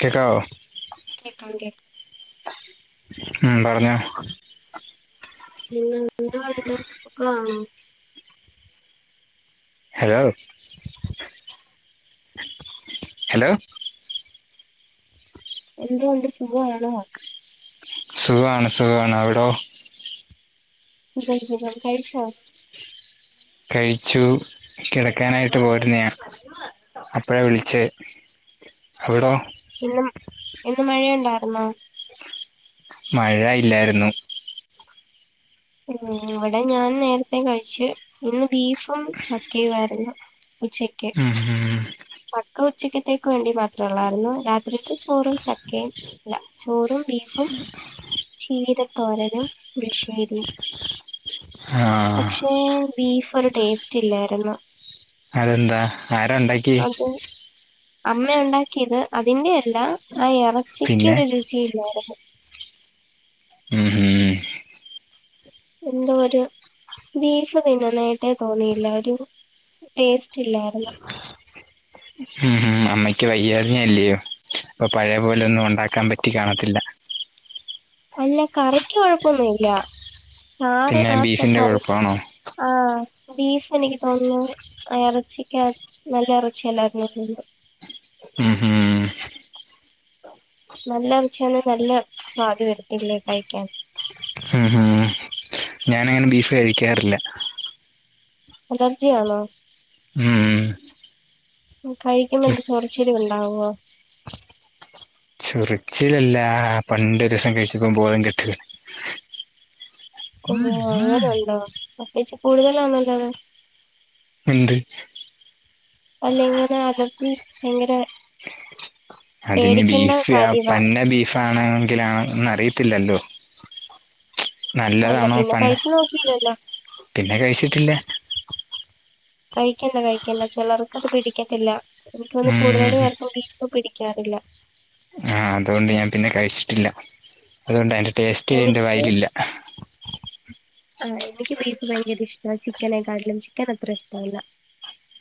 കേക്കാവോ കേക്കാം കേ ഉം ണ്ടവുലേ പിന്നെ [unintelligible] ഹലോ ഹലോ എന്തുണ്ട് സുഖാണോ സുഖാണ് സുഖാണ് അവിടോ സുഖം സുഖം കഴിച്ചോ കഴിച്ചു കിടക്കാനായിട്ട് പോര്ന അപ്പഴ വിളിച്ചെ അവിടോ ഇന്നും ഇന്ന് മഴയുണ്ടായിര്ന്നോ മഴ ഇല്ലായിരുന്നു ഉം ഇവിടെ ഞാൻ നേരത്തെ കഴിച്ചു ഇന്ന് ബീഫും ചക്കയുമായിരുന്നു ഉച്ചക്ക് ഉം ഉം മക്കൾ ഉച്ചക്കത്തേക്ക് വേണ്ടി മാത്ര ഉള്ളായിരുന്നു രാത് രാത്രിക്കാക്ക് ചോറും ചക്കയും അല്ല ചോറും ബീഫും ചീരത്തോരനും പുളിഷേരിം ആഹ് പക്ഷെ ബീഫ് ഒരു ടേസ്റ്റ് ഇല്ലായിരുന്നു അതെന്താ ആരാണ്ടാ അതെ അമ്മ ഉണ്ടാക്കിയത് അതിന്റെ അല്ല ആ എറച്ചിക്ക് പിന്നെ ഒരു രുചിയില്ലായിരുന്നു ഉം ഉം എന്തോ ഒരു ബീഫ് തിന്നുന്നാതായിട്ടേ തോന്നിയില്ല ഒരു ടേസ്റ്റ് ഇല്ലായ്ര്ന്ന് ഉം ഉം അമ്മയ്ക്ക് വയ്യായിര്ന്നല്ല്യോ അപ്പൊ പഴയ പോലെ ഒന്നും ഉണ്ടാക്കാൻ പറ്റി കാണത്തില്ല അല്ല കറിക്ക് കൊഴപ്പൊന്നുല്ല ചാറ് പിന്നെ ആ ചെ ബീഫിന്റെ കറി കുഴപ്പാണോ ആഹ് ബീഫ് എനിക്ക് തോന്നുന്നു ഇറച്ചക്യകത് നല്ല ഇറച്ചിയല്ലായിരുന്നന്ന് തോന്നുന്നു ഉം ഉം നല്ല ഇറച്ചിയാന്നേ നല്ല സ്വാദ് വരത്തില്ലേ കഴിക്കാൻ ആഹ് ആഹ് ഞാനങ്ങനെ ബീഫ് കഴിക്കാറില്ല അലർജിയാന്നോ ഉം ഉം കഴിക്കുമ്പെന്ത്‌ ചോറിച്ചില് ഉണ്ടാവോ [inaudible] ചൊറിച്ചിലല്ലാ പണ്ടൊരുസം കഴിച്ചപ്പോ ബോധം കെട്ട് വീണ് ഓഹ് അങ്ങനുണ്ടോ അപ്പൊ ച്ചി കൂടുതലാണല്ലോ അത് ഇണ്ട് അല്ല ഇങ്ങനെ അലർജി ഭയങ്കരെ അതിന് ബീഫ് ആ കാര്യവാ പന്ന ബീഫാണോങ്കിലാ ന്നറിയത്തില്ലല്ലോ അല്ല നല്ലതാണോ പിന്നെ പന്ന കഴിച്ചു നോക്കിയില്ലല്ലോ പിന്നെ കഴിച്ചിട്ടില്ല കഴിക്കണ്ട കഴിക്കണ്ട ചെലോർക്കത് പിടിക്കത്തില്ല എനിക്കോന്നു ഉം കൂടുതലുപേർക്കും ബി ഇപ്പൊ പിടിക്കാറില്ല ആഹ് അതോണ്ട് ഞാൻ പിന്നെ കഴിച്ചിട്ടില്ല അതോണ്ടയ്ന്റെ ടേസ്റ്റ് എന്റെ വായിലില്ല ആഹ് എനിക്ക് ബീഫ് ഭയങ്കര ഇഷ്ട ചിക്കനെ കാട്ടിലും ചിക്കനത്ര ഇഷ്ടല്ല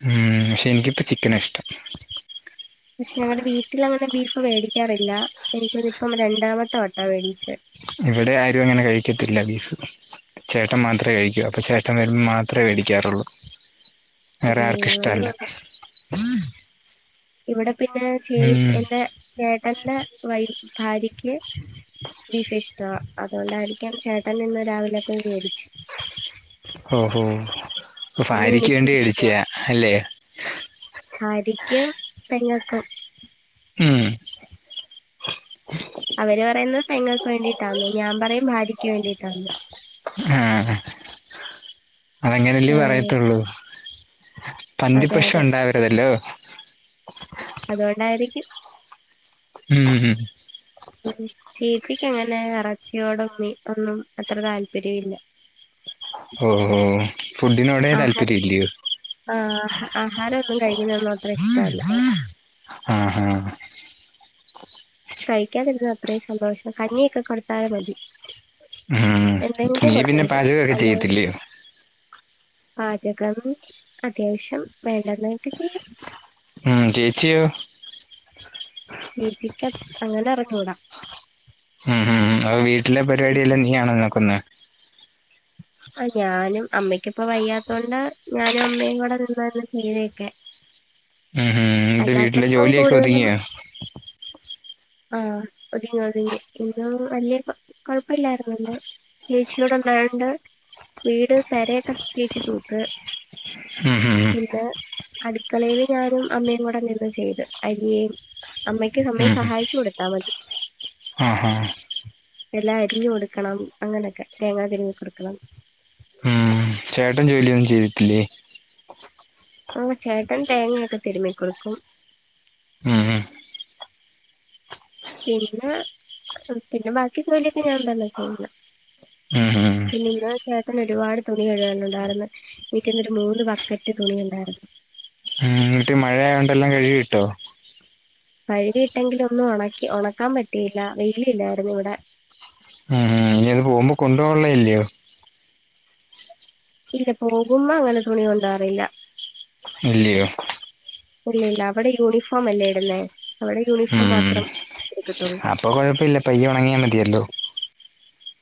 ഉം പക്ഷേ എനിക്കിപ്പം ചിക്കനാഷ്ടം പക്ഷെ ഞങ്ങടെ വീട്ടിലങ്ങനെ ബീഫ് വേടിക്കാറില്ല എനിക്കതിപ്പം രണ്ടാമത്തെ വട്ടാ വേടിച്ചെ ഇവടേം ആരും അങ്ങനെ കഴിക്കത്തില്ല ബീഫ് ചേട്ടൻ മാത്രേ കഴിക്കൂ അപ്പൊ ചേട്ടൻ വെരുമ്പം മാത്രേ വേടിക്കാറുള്ളൂ വേറെ ആർക്കും അത് ഇഷ്ടല്ല ഇവടെ പിന്നെ ചേ ഉം എന്റെ ചേട്ടന്റെ വൈ ഭാര്യക്ക് ബീഫ് ഇഷ്ടാ അതോണ്ടായിരിക്കാം ചേട്ടന് ന്ന് രാവിലെ പോയ്‌ വേടിച് ഓഹോ പ്പ പിന്നെ ഫാര്യക്ക് വേണ്ടി എനിക്കും വേടിച്യാ അല്ലേ ഭാര്യക്കും പെങ്ങക്കും ഉം അവര് പറയുന്നത് പെങ്ങക്ക് വേണ്ടിട്ടാന്ന് ഞാൻ പറയും ഭാര്യയ്ക്ക് വേണ്ടിട്ടാന്ന് ആഹ് ആഹ് അതങ്ങനെയല്ലേ ആഹ് പറയത്തൊള്ളു അതെ [unintelligible] അതെ ഉണ്ടാവരുതല്ലോ അതോണ്ടായിരിക്കും [inaudible] ഉം ഉം ഉം ചേച്ചിക്കങ്ങനെ എറച്ചിയോടും മി ഒന്നും അത്ര താല്പര്യല്ല [inaudible] ഓഹോ ഫുഡിനോടെ ആഹാരം താല്പര്യല്ല്യോ ആഹ് ആഹാരൊന്നും കഴിക്കുന്നൊന്നും അത്ര ഇഷ്ടല്ല ആഹ് ആഹ് കഴിക്കാതിരുന്ന അത്രി സന്തോഷം കഞ്ഞിയൊക്കെ കൊടുത്താലത് മതി ഉം എന്തെങ്കും നീ കൊടുത്താ പിന്നെ മതി പാചകമൊക്കെ അല്ലാതെ ചെയ്യത്തില്ലയോ പാചകം അത്യാവശ്യം വേണ്ടെന്നൊക്കെ ചെയ്യും ഉം ചേച്യോ വി ചിക്കൻ അങ്ങനറിഞ്ഞൂട ഉം ഉം അത് വീട്ടിലെ പരിപാടി എല്ലം നീയാണോ നോക്കുന്നെ അ ഞാനും അമ്മയ്ക്കിപ്പ വയ്യാത്തൊണ്ട് ഞാനും അമ്മയും കൂടെ നിന്നായിര്ന്നു ചെയ്തൊക്കെ ഹും ഹും ന്ന്ട്ട് വീട്ടിലെ ജോലിയൊക്കെ കൂടുതലും ഒതുങ്യോ ആഹ് ഒതുങ്ങി ഒതുങ്ങി ഇന്നും വല്യ കൊ കൊഴപ്പില്ലാര്ന്നു ഇന്ന് ഏച്ചിവടെണ്ടായോണ്ട് വീട് പെരയൊക്കെ ഏച്ചി തൂത്ത് ഉം ഹും ഹും. പിന്നെ അടുക്കളയില് ഞാനും അമ്മയും കൂടെ നിന്ന് ചെയ്ത്. അരിയേയും അമ്മയ് ക്ക് അമ്മയെ സഹായിച്ചു കൊടുത്താ മതി. ആഹ് ഹാ. എല്ലാം അരിഞ്ഞ് കൊടുക്കണം അങ്ങനെയൊക്കെ തേങ്ങാ തിരിമ്മി കൊടുക്കണം. ഉം ചേട്ടൻ ജോലിയൊന്നും ചെയ്തിട്ടില്ലേ? ഓഹ് ചേട്ടൻ തേങ്ങയൊക്കെ തിരുമ്മി കൊടുക്കും. ഉം ഉം. പിന്നെ പിന്നെ ബാക്കി ജോലിയൊക്കെ ഞാൻ തന്നാ ചെയ്യുന്ന. ഉം ഹും. പിന്നെ ഇന്ന് ചേട്ടന് ഒരുപാട് തുണി കഴുകാനുണ്ടായിര്ന്ന്. എനിക്കോന്നുന്നു ഒരു മൂന്ന് ബക്കറ്റ് തുണി ഇണ്ടായിരുന്നു.. വീട്ടി മഴയായോണ്ടെല്ലാം കഴുകി ഇട്ടോ? കഴുകിയിട്ടെങ്കിലും ഒന്നും ഒണക്കി ഒണക്കാൻ പറ്റിയില്ല. വെയില് ഇല്ലായിരുന്നു ഇവിടെ. ഉം ഹും. ഇനി അത് പോകുമ്പൊ കൊണ്ടുപോവാൻള്ളത് അല്ലെയോ? ഇല്ല പോകുമ്പോ അങ്ങനെ തുണി കൊണ്ടാറില്ല. ഇല്ലെയോ. ഇല്ല ഇല്ല. അവിടെ യൂണിഫോം അല്ലേ ഇടുന്നേ അവിടെ യൂണിഫോം മാത്രം ഉം എടുക്കത്തൊള്ള്. അപ്പൊ കൊഴപ്പ ഇല്ല പയ്യെ ഉണങ്ങിയാ മതിയല്ലോ.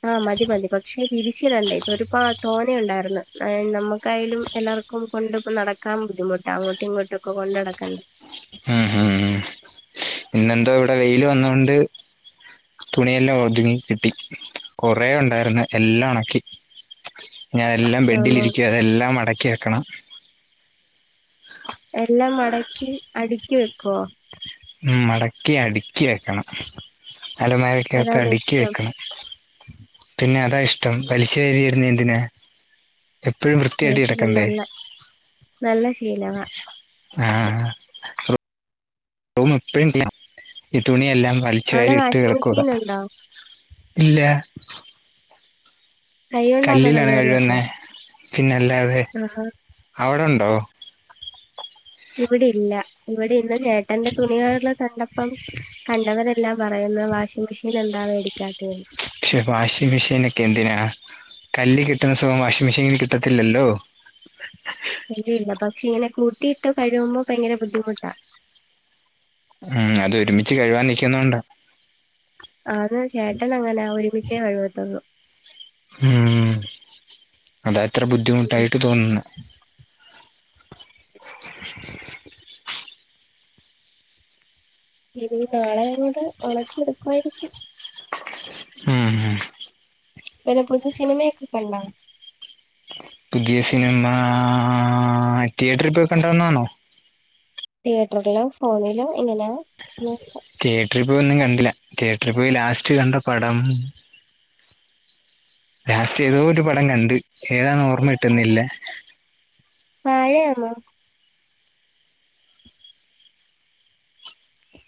ആഹ് മതി മതി. പക്ഷെ വിരിച്ചിടണ്ടേ ഇതൊരുപാ തോനെ ഉണ്ടായിർന്ന്. ഏഹ് നമ്മുക്കായാലും. എല്ലാർക്കും കൊണ്ട് ഇപ്പ നടക്കാൻ ബുദ്ധിമുട്ടാ അങ്ങോട്ടും ഇങ്ങോട്ടും ഒക്കെ കൊണ്ട് നടക്കണ്ടേ. ഉം ഹും ഹും. പിന്നെന്തോ ഇവിടെ വെയില് വന്നോണ്ട്. തുണിയെല്ലാം ഒതുങ്ങി കിട്ടി. കൊറെ ഉണ്ടായിര്ന്ന് എല്ലാം ഉണക്കി. ഇഞതെല്ലാം ആണോ ബെഡിലിരിക്കുവാ അതെല്ലാം മടക്കി വെക്കണം. എല്ലാം മടക്കി അടുക്കി വെക്കുവോ? ഉം മടക്കി അടുക്കി വെക്കണം. അലമാരക്കകത്ത് അതാണോ അടുക്കി ഇഷ്ടം വെക്കണം. പിന്നെ അതാ ഇഷ്ടം വലിച്ച് വാരി ഇടുന്നെ എന്തിനാ. എപ്പഴും അത് വൃത്തിയായിട്ട് ശരി കിടക്കണ്ടേ നല്ല നല്ല ശീലവാ ആഹ്. റൂം എപ്പഴും [unintelligible] ഈ തുണിയെല്ലാം വലിച്ച അവിടെ വാരി ഇട്ട് വാഷിംഗ് കിടക്കുക. മെഷീൻ ഉണ്ടോ ഇല്ലാ. കൈ കൊണ്ടാന്നോ കല്ലിലാണ് കഴികുന്നെ. കഴുകുന്നേക്കെ പിന്നെല്ലാതെ ആ അവിടെണ്ടോ? ഇവിടെ ഇല്ല. ഇവിടെ ഇന്ന് ചേട്ടന്റെ തുണി കഴ്കള് കണ്ടപ്പം. കണ്ടവരെ ല്ലാം പറയുന്നു വാഷിംഗ് മെഷീൻ എന്താ വേടിക്ക്യാത്തേന്ന്. പക്ഷെ വാഷിംഗ് മെഷീനൊക്കെ എന്തിനാ. കല്ല് കിട്ടുന്ന സുഖം വാഷിംഗ് മെഷീനിന് കിട്ടത്തില്ലല്ലോ? ഇല്ല ഇല്ല. പക്ഷെ ഇങ്ങനെ കൂട്ടിയിട്ടു കഴുവുമ്പം ഭയങ്കര ബുദ്ധിമുട്ടാ. ഉം അത് ഒരുമിച്ച് കഴുകാൻ നിക്കുന്നോണ്ടാ. ആന്ന്. ചേട്ടൻ അങ്ങനാ ഒരുമിച്ചേ കഴികത്തോള്ളൂ. ഉം അതാ ഇത്ര ഉം ബുദ്ധിമുട്ടായിട്ട് തോന്നുന്നെ. [inaudible] ഇനി നാളെ അങ്ങോട്ട് ഉണക്കിയെടുക്കുവായിരിക്കും. ഉം ഹും. വേറെ പുതിയ സിനിമയൊക്കെ കണ്ടാ? പുതിയ സിനിമാ തിയേറ്ററി പോയി കണ്ടോന്നാണോ? തിയേറ്ററിലോ ഫോണിലോ എങ്ങനാ ന്ന് വെച്ചാ. തിയേറ്ററി പോയി ഒന്നും കണ്ടില. തിയേറ്ററി പോയി ലാസ്റ്റ് കണ്ട പടം ലാസ്റ്റ് ഏതോ ഒരു പടം കണ്ട്. ഏതാന്ന് ഓർമ്മ കിട്ടുന്നില്ല. വാഴ ആന്നോ?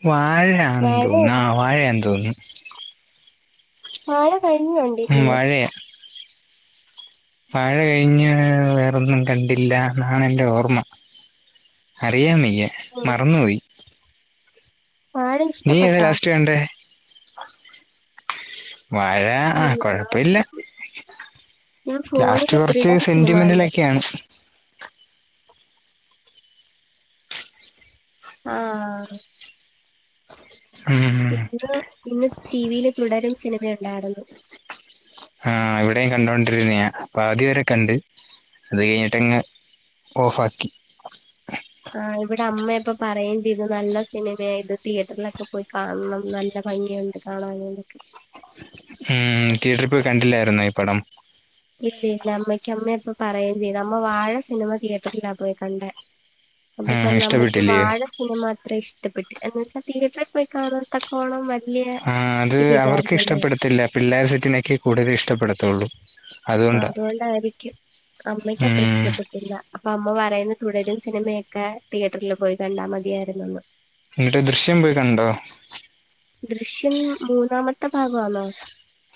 വാഴയാന്ന് വാഴ തോന്നുന്നു, ആഹ് വാഴ ആന്ന് തോന്നുന്നു. വാഴ കഴിഞ്ഞ് ഉം കണ്ടില്ലേ? വാഴയാ വാഴ കഴിഞ്ഞ് വേറൊന്നും കണ്ടില്ല എന്നാണ് എന്റെ ഓർമ്മ. അറിയാൻ വയ്യ, ഉം മറന്നുപോയി. വാഴ നീ ഏതാ ഇഷ്ടപ്പെട്ടോ ലാസ്റ്റ് കണ്ടേ? വാഴ, ഞാൻ ആഹ് കൊഴപ്പയില്ല. ഞാൻ ലാസ്റ്റ് ഫോണില് കൊറച്ച് ദൃഢം സിനിമ കണ്ട് സെന്റിമെന്റലൊക്കെയാണ്. ആഹ് [inaudible] ഇന്ന്, ഇന്ന് ടിവിയില് തുടരും സിനിമയുണ്ടായിര്ന്നു. ആഹ്, ഇവടെയും കണ്ടോണ്ടിരുന്നെയാ പകുതി വരെ കണ്ട് അത് കഴിഞ്ഞിട്ടങ്ങ് ഓഫാക്കി ആഹ്, ഇവിടെ അമ്മയിപ്പൊ പറയേം ചെയ്ത് നല്ല സിനിമയായിത്, തിയേറ്ററിലൊക്കെ പോയി കാണണം നല്ല ഭംഗിയുണ്ട് കാണാൻ വേണ്ടിയിട്ട് ഉം തീയേറ്ററി പോയി കണ്ടില്ലായിരുന്നോ ഈ പടം? ഇല്ല ഇല്ല അമ്മയ്ക്ക് അമ്മയപ്പൊ പറയേം ചെയ്ത് അമ്മ വാഴ സിനിമ തിയേറ്ററിലാ പോയി കണ്ടേ. അപ്പൊ ഉം പറഞ്ഞ് അമ്മക്ക് ഇഷ്ടപ്പെട്ടില്ലേ വാഴ സിനിമ അത്ര ഇഷ്ടപ്പെട്ടില്ല. എന്ന് വെച്ചാ തിയേറ്ററിൽ പോയി കാണ ആഹ് അത് അവർക്ക് ഇതില്ലായിരുന്നല്ലോ ഇഷ്ട്ടപ്പെടത്തില്ല. പിള്ളേര് സെറ്റിനൊക്കെ കൂടുതല് ഇഷ്ടപ്പെടത്തൊള്ളൂ. ആഹ്, അതുകൊണ്ടായിരിക്കും. അമ്മയ്ക്ക് അത്ര ഉം ഇഷ്ട്ടപ്പെട്ടില്ല. അപ്പൊ അമ്മ പറയുന്ന്, തുടരും സിനിമയൊക്കെ തിയേറ്ററിൽ പോയി കണ്ടാ മതിയായിരുന്നെന്ന്. എന്നിട്ട് ദൃശ്യം പോയി കണ്ടോ? ദൃശ്യം മൂന്നാമത്തെ ഭാഗാവാന്നോ?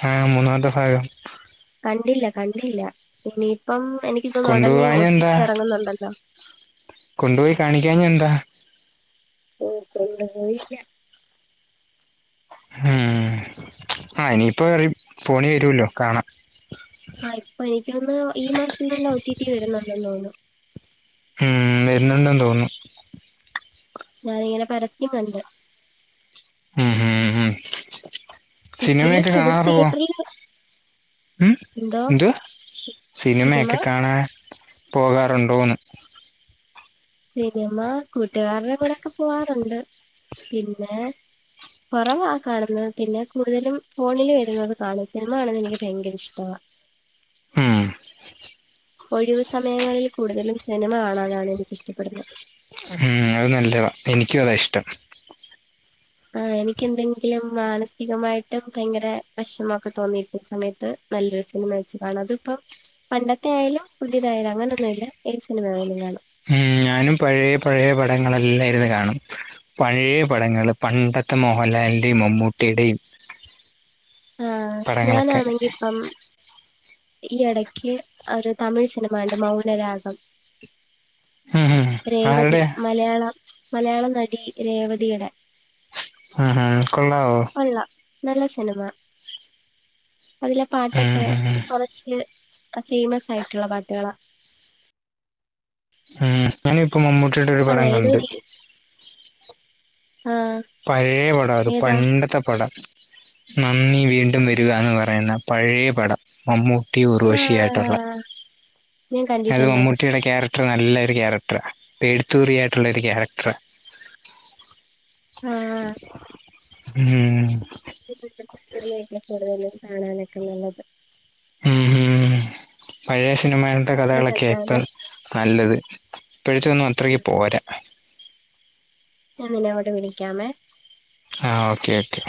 ആഹ് മൂന്നാമത്തെ ഭാഗം കണ്ടില്ല കണ്ടില്ല. ഇനിയിപ്പം, എനിക്ക് തോന്നുന്ന് ഒടനെ ഒറ്റീറ്റി എറങ്ങുന്നുണ്ടല്ലോ? കൊണ്ടു പോയി കാണിക്കാഞ്ഞെ എന്താ? ഓഹ് കൊണ്ടുപോയില്ല ഉം, ആഹ് ഇനിയിപ്പൊ വരും ഫോണി വരുവല്ലോ?, കാണാം. ആഹ് ഇപ്പൊ എനിക്ക് തോന്നണ്, ഈ മാസം തന്നെ ഒ. ടി. ടി വരുന്നുണ്ടെന്ന് തോന്നുന്നു. ഉം, വരുന്നുണ്ടെന്ന് തോന്നുന്നു ഞാനിങ്ങനെ പരസ്യം കണ്ട്. ഉം ഹ് ഹും, ഇപ്പോഴും സിനിമയൊക്കെ ഇവിടെ കാണാറൊള്ളോ? തിയേറ്ററിൽ ഉം എന്തോ എന്ത്? സിനിമ സിനിമയൊക്കെ കാണാൻ പോകാറുണ്ടോന്ന്? സിനിമ, കൂട്ടുകാരുടെ കൂടൊക്കെ പോവാറുണ്ട്. പിന്നെ കൊറവാ കാണുന്നത്, പിന്നെ കൂടുതലും ഫോണില് വരുന്നത് കാണും. സിനിമ കാണുന്നത് എനിക്ക് ഭയങ്കര ഇഷ്ട്ടവാ ഉം. ഒഴിവു സമയങ്ങളിൽ കൂടുതലും, സിനിമ കാണാനാണ് എനിക്കിഷ്ട്ടപ്പെടുന്നത്. ഉം അത് നല്ലതാ, എനിക്കും അതാ ഇഷ്ട്ടം ആഹ്, എനിക്ക് എന്തെങ്കിലും മാനസികമായിട്ട് ഭയങ്കര വെഷമൊക്കെ തോന്നിയിരിക്ക്ന്ന സമയത്ത്. നല്ലൊരു സിനിമ വെച്ച് കാണാം. അതിപ്പൊ പണ്ടത്തെ ആയാലും, പുതിയതായാലും, അങ്ങനെയൊന്നുല്ല. ഏത് സിനിമ ആയാലും കാണും. ഉം, ഞാനും പഴേ പഴേ, പടങ്ങളെല്ലാം ഇരുന്നു കാണും. പഴേ പടങ്ങള്. പണ്ടത്തെ മോഹൻലാലിന്റേം, മമ്മൂട്ടിയിടേം. ആഹ് ഞാനാണെങ്കി ഇപ്പം ഈ ഇടയ്ക്ക് ഒരു തമിഴ് സിനിമ കണ്ടു മൗനരാഗം ഉം ഉം രേവതി ആരുടെയാ മലയാളം മലയാളനടി രേവതീടെ ആഹാ കൊള്ളാവോ കൊള്ളാം നല്ല സിനിമ അതിലെ ഉം പാട്ടൊക്കെ ഉം കൊറച്ച് ഫേമസ് ആയിട്ടുള്ള പാട്ടുകളാ [inaudible] ഉം ഞാനിപ്പൊ മമ്മൂട്ടിടെ ഒരു പടം കൊള്ളാം ഏതോ കണ്ടു ഒരു ആഹ് പഴയേ പടാണ് അത്‌ ഏതാ പഴേ പണ്ടത്തെ പടം നന്ദി വീണ്ടും വരികാന്ന് പറയുന്ന പഴയേ പടം മമ്മൂട്ടിയും ഉർവശി ആയിട്ടുള്ളെ ആഹ് ഞാൻ അത് കണ്ടിട്ടുണ്ടത് മമ്മൂട്ടിയുടെ കാരക് നല്ല ഒരു ക്യാരക്ടറാ പേടിത്തൂറിയായിട്ടുള്ള ഒരു ക്യാരക്ടറാ ആഹ് ഉം [unintelligible] സിനിമയൊക്കെ കൂടുതലും കാണാനൊക്കെ നല്ലത് ഉം ഉം പഴയ സിനിമ ന്നാ കഥകളൊക്കെയാ ഇപ്പൊ നല്ലത് ഇപ്പോഴത്തൊന്നും അത്രയ്ക്ക് പോരാ ഞാൻ നിന്നെ അങ്ങോട്ട് വിളിക്കാമേ ആഹ് ഓക്കെ ഓക്കെ